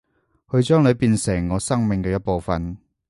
去將你變成我生命嘅一部份